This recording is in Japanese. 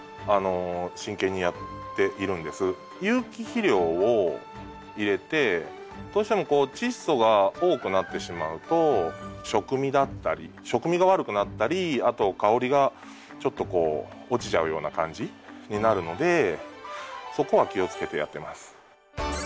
有機肥料を入れてどうしてもこうチッ素が多くなってしまうと食味だったり食味が悪くなったりあと香りがちょっとこう落ちちゃうような感じになるのでそこは気をつけてやってます。